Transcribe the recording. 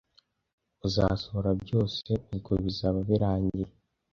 uzasohora byose ubwo bizaba birangiye